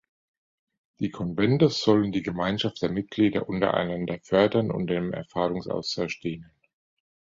Die Konvente sollen die Gemeinschaft der Mitglieder untereinander fördern und dem Erfahrungsaustausch dienen.